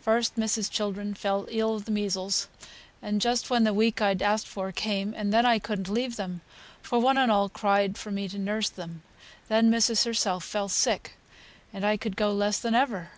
First, missis's children fell ill of the measles, just when th' week I'd ask'd for came, and I couldn't leave them, for one and all cried for me to nurse them. Then missis herself fell sick, and I could go less than ever.